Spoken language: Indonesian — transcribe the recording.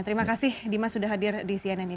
terima kasih dimas sudah hadir di cnn ini